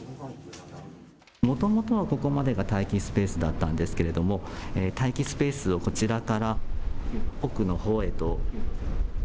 もともとここまでが待機スペースだったんですが待機スペースをこちらから奥のほうへと。